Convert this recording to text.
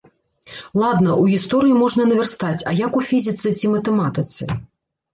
Ладна, у гісторыі можна навярстаць, а як у фізіцы ці матэматыцы?